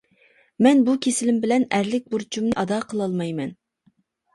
مەن بۇ كېسىلىم بىلەن ئەرلىك بۇرچۇمنى ئادا قىلالمايمەن.